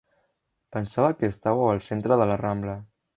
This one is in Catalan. Pensava que estàveu al centre de la Rambla.